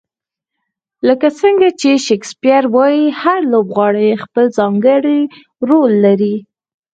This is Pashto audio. لکه څنګه چې شکسپیر وایي، هر لوبغاړی خپل ځانګړی رول لري.